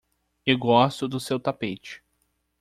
Eu gosto do seu tapete.